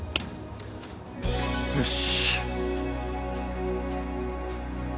よし！